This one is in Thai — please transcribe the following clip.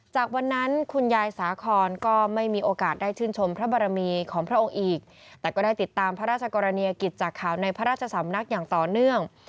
จากวันนั้นคุณยายสาคอนก็ไม่มีโอกาสได้ชื่นชมพระบรมีของพระองค์อีกแต่ก็ได้ติดตามพระราชกรณียกิจจากข่าวในพระราชสำนักอย่างต่อเนื่อง